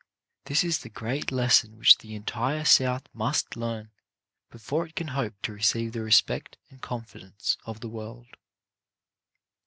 This is the great les son which the entire South must learn before it can hope to receive the respect and confidence of the world.